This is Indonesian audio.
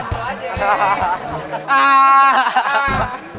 nos tram jahat